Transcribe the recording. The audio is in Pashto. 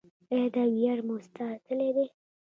آیا دا ویاړ مو ساتلی دی؟